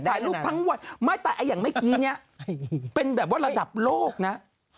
ถ่ายรูปทั้งวันไม่แต่อย่างเมื่อกี้เนี่ยเป็นแบบว่าระดับโลกนะ